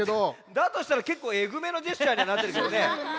だとしたらけっこうえぐめのジェスチャーにはなってるけどね。